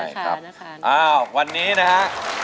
ใช่ครับอ้าววันนี้นะฮะ